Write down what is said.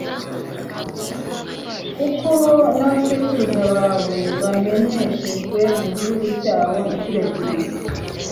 kuko n'abasekuruza bawe bameneshejwe mu gihugu cyabo incuro ebyiri